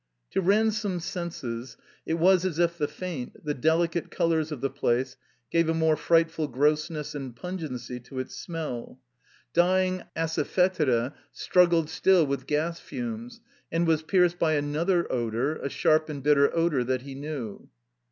To Ransome's senses it was as if the faint, the deli cate colors of the place gave a more frightftd gross ness and pungency to its smell. Djring asafetida struggled still with gas fumes, and was pierced by another odor, a sharp and bitter odor that he knew.